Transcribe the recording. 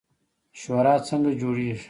شورا څنګه جوړیږي؟